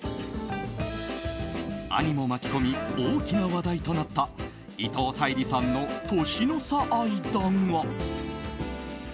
兄も巻き込み大きな話題となった伊藤沙莉さんの年の差愛だが。